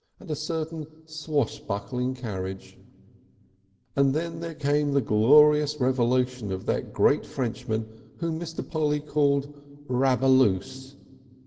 And a certain swashbuckling carriage. And then came the glorious revelation of that great Frenchman whom Mr. Polly called "Rabooloose."